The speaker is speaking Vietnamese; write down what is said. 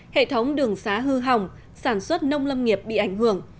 hệ thống đường xá hư hỏng sản xuất nông lâm nghiệp bị ảnh hưởng